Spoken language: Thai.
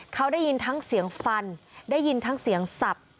เขาได้ยินทั้งเสียงฟันได้ยินทั้งเสียงสับ